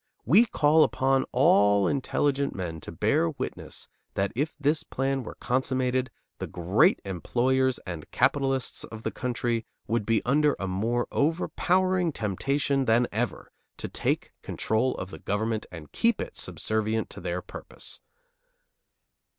We call upon all intelligent men to bear witness that if this plan were consummated, the great employers and capitalists of the country would be under a more overpowering temptation than ever to take control of the government and keep it subservient to their purpose.